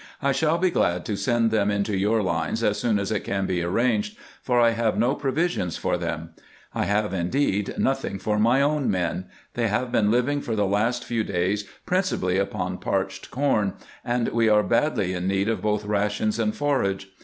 I shall be glad to send them into your lines as soon as it can be arranged, for I have no provisions for them. I have, indeed, nothing for my own men. They have been living for the last few days principally upon parched corn, and we are badly in need of both rations and forage.